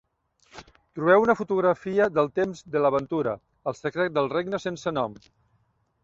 Trobeu una fotografia del Temps de l'aventura: el secret del regne sense nom.